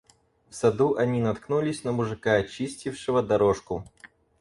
В саду они наткнулись на мужика, чистившего дорожку.